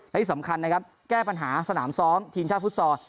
และที่สำคัญนะครับแก้ปัญหาสนามซ้อมทีมชาติฟุตซอล